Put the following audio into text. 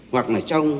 hoặc là trong